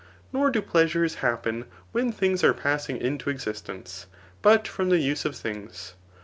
Nor do pleasures happen when things are passing into existence, but from: die use of things.